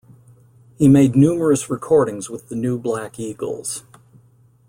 He made numerous recordings with the New Black Eagles.